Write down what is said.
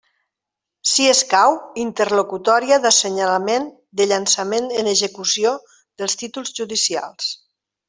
Si escau, interlocutòria d'assenyalament de llançament en execució dels títols judicials.